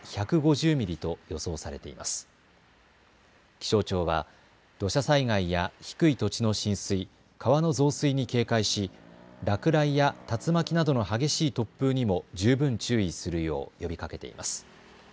気象庁は土砂災害や低い土地の浸水、川の増水に警戒し落雷や竜巻などの激しい突風にも十分注意するよう呼びかけています。